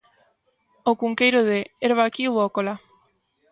O Cunqueiro de "Herba aquí ou acolá".